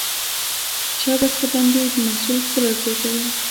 ښه بسته بندي د محصول ښکلا زیاتوي.